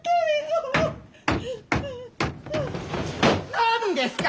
何ですか！？